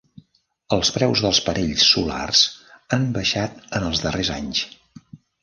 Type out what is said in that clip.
Els preus dels panells solars han baixat en els darrers anys.